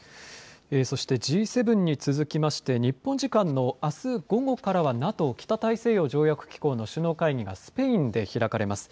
そしてＧ７に続きまして、日本時間のあす午後からはＮＡＴＯ＝北大西洋条約機構の首脳会議がスペインで開かれます。